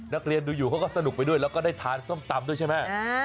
นักเรียนดูอยู่เขาก็สนุกไปด้วยแล้วก็ได้ทานส้มตำด้วยใช่ไหม